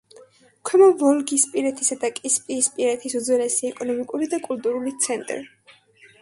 ქვემო ვოლგისპირეთისა და კასპიისპირეთის უძველესი ეკონომიკური და კულტურული ცენტრი.